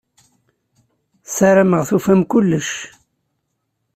Sarameɣ tufam kullec.